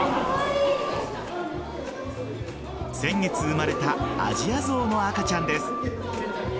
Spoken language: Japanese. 先月生まれたアジアゾウの赤ちゃんです。